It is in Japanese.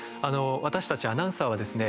私たちアナウンサーはですね